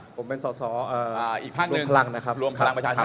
ผมเป็นสสรวมพลังประชารัฐ